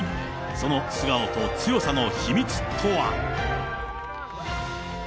その素顔と強さの秘密とは。